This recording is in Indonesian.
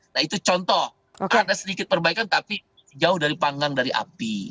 nah itu contoh karena sedikit perbaikan tapi jauh dari pangan dari api